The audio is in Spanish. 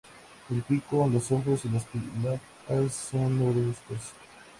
El pico, los ojos y las patas son negruzcos.